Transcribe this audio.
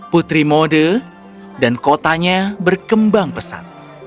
putri mode dan kotanya berkembang pesat